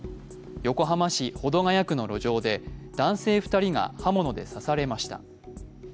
横浜市保土ケ谷区の路上で男性２人が刃物で刺されました。